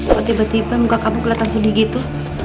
kok tiba tiba muka kamu kelihatan sedih gitu